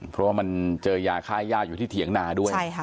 เพราะว่ามันเจอยาค่าย่าอยู่ที่เถียงนาด้วย